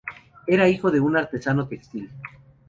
Era hijo de un artesano textil.